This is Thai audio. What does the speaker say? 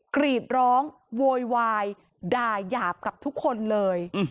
กรีดร้องโวยวายด่ายาบกับทุกคนเลย